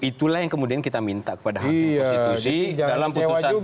itulah yang kemudian kita minta kepada hakim konstitusi dalam putusan